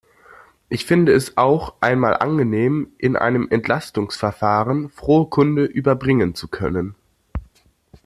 Ich finde es auch einmal angenehm, in einem Entlastungsverfahren frohe Kunde überbringen zu können.